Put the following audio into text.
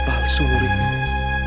dan kesaksian palsu murni